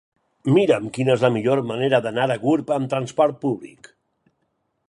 Mira'm quina és la millor manera d'anar a Gurb amb trasport públic.